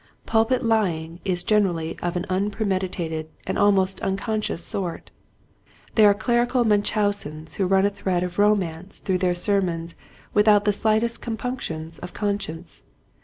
Pulpit lying is generally of an unpremeditated and almost unconscious sort. There are clerical Mun chausens who run a thread of romance through their sermons without the slight est compunctions of conscience.